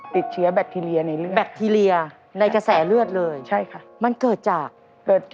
ติดเหนือแบทีเรียในเลือด